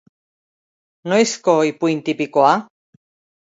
Noizko ipuin tipikoa?